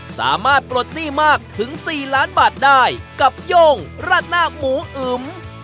ปลดหนี้มากถึง๔ล้านบาทได้กับโย่งราดหน้าหมูอึม